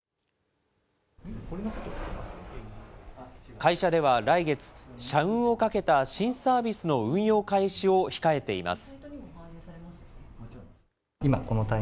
会社では来月、社運を賭けた新サービスの運用開始を控えています。